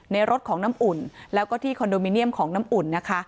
รถของน้ำอุ่นแล้วก็ที่คอนโดมิเนียมของน้ำอุ่นนะคะ